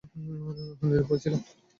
আহা, নিরুপায় ছিলাম।